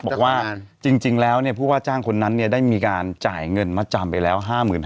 บอกว่าจริงแล้วผู้ว่าจ้างคนนั้นได้มีการจ่ายเงินมัดจำไปแล้ว๕๕๐๐